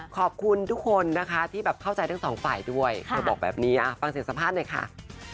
ขอบคุณทุกคนนะคะที่แบบเข้าใจทั้งสองฝ่ายด้วยเธอบอกแบบนี้ฟังเสียงสัมภาษณ์หน่อยค่ะ